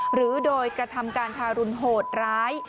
หรือโดยกระทำการทารุณโหดร้าย